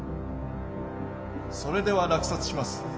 それでは落札します